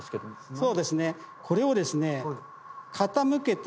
そうです。